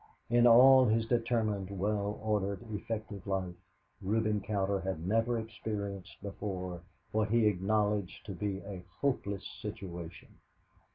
In all his determined, well ordered, effective life, Reuben Cowder had never experienced before what he acknowledged to be a hopeless situation.